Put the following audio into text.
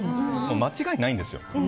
間違いないんですよ。